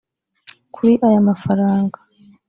Kuri aya mafaranga